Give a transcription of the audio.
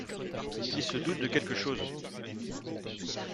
Il se doute de quelque chose.